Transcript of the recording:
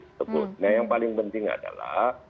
tersebut nah yang paling penting adalah